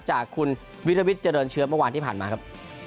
จากคุณวิรวิทย์เจริญเชื้อเมื่อวานที่ผ่านมาครับ